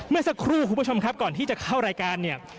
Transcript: เมื่อสักครู่คุณผู้ชมครับก่อนที่จะเข้ารายการเนี่ย